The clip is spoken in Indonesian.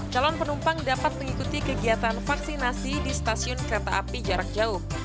calon penumpang dapat mengikuti kegiatan vaksinasi di stasiun kereta api jarak jauh